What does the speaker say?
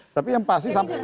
tapi yang pasti sampai